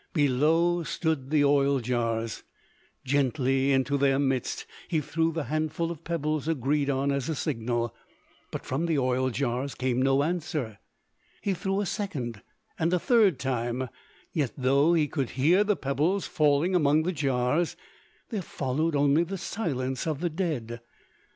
Below stood the oil jars; gently into their midst he threw the handful of pebbles agreed on as a signal; but from the oil jars came no answer. He threw a second and a third time; yet though he could hear the pebbles falling among the jars, there followed only the silence of the dead.